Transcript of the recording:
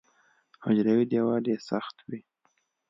حجروي دیوال یې سخت وي.